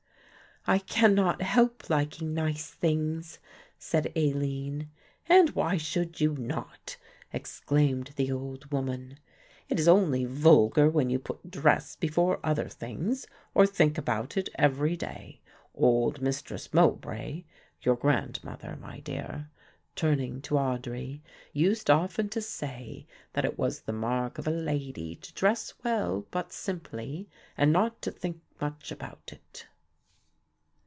"I cannot help liking nice things," said Aline. "And why should you not?" exclaimed the old woman; "it is only vulgar when you put dress before other things or think about it every day. Old Mistress Mowbray, your grandmother, my dear," turning to Audry, "used often to say that it was the mark of a lady to dress well but simply and not to think much about it."